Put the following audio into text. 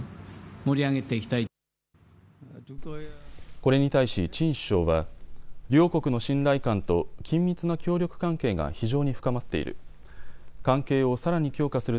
これに対しチン首相は両国の信頼感と緊密な協力関係が非常に深まっている。